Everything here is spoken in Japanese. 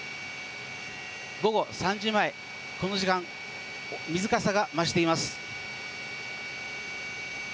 午後３時前、この時間、水かさが増しています。